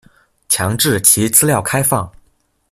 強制其資料開放